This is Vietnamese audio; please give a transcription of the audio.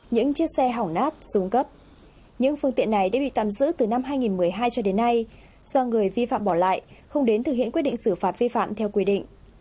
những chiếc xe hỏng nát xuống cấp những phương tiện này đã bị tạm giữ từ năm hai nghìn một mươi hai cho đến nay do người vi phạm bỏ lại không đến thực hiện quyết định xử phạt vi phạm theo quy định